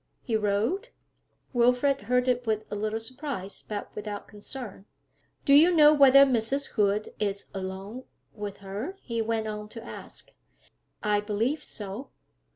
'He wrote?' Wilfrid heard it with a little surprise, but without concern. 'Do you know whether Mrs. Hood is alone with her?' he went on to ask. 'I believe so.'